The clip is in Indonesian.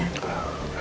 jangan sendiri ya